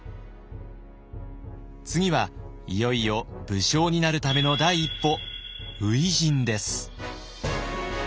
次はいよいよ武将になるための第一歩初陣です。